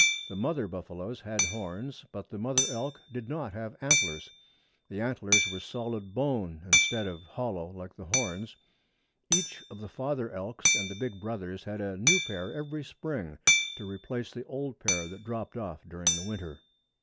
The mother buffaloes had horns, but the mother elk did not have antlers. The antlers were solid bone instead of hollow like the horns. Each of the father elks and the big brothers had a new pair every spring to replace the old pair that dropped off during the winter.